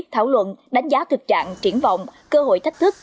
thảo luận đánh giá thực trạng triển vọng cơ hội thách thức